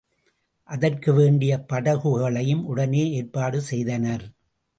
அதற்கு வேண்டிய படகுகளையும் உடனே ஏற்பாடு செய்தனர்.